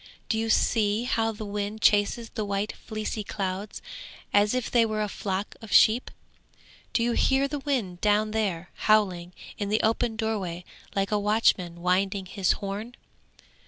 Do you see how the wind chases the white fleecy clouds as if they were a flock of sheep? Do you hear the wind down there, howling in the open doorway like a watchman winding his horn?